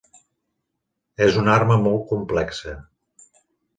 És una arma molt complexa.